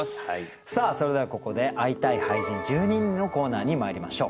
さあそれではここで「会いたい俳人、１２人」のコーナーにまいりましょう。